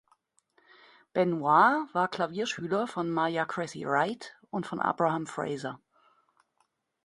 Benoit war Klavierschüler von Marya Cressy Wright und von Abraham Fraser.